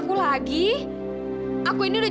koong ini deh